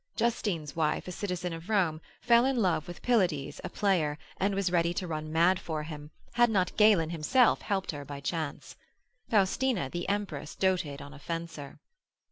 Justine's wife, a citizen of Rome, fell in love with Pylades a player, and was ready to run mad for him, had not Galen himself helped her by chance. Faustina the empress doted on a fencer.